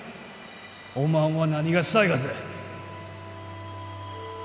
おまんは何がしたいがぜ？